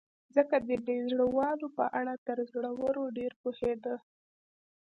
ځکه د بې زړه والاو په اړه تر زړورو ډېر پوهېده.